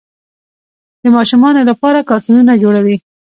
د ماشومانو لپاره کارتونونه جوړوي.